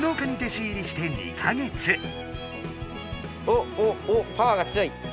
おっおっおっパワーが強い！